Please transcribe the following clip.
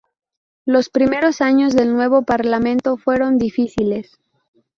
Los primeros años del nuevo Parlamento fueron difíciles.